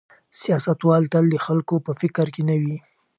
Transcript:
سیاستوال تل د خلکو په فکر کې نه وي.